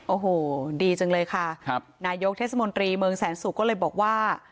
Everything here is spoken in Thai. โอ้โหดีจังเลยค่ะครับนายกเทศมนตรีเมืองแสนสุกก็เลยบอกว่า